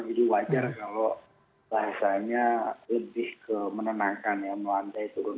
jadi wajar kalau rasanya lebih ke menenangkan yang melandai turun